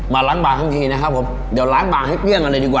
ล้างบางทั้งทีนะครับผมเดี๋ยวล้างบางให้เกลี้ยงกันเลยดีกว่า